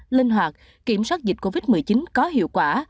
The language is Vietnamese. linh hoạt kiểm soát dịch covid một mươi chín có hiệu quả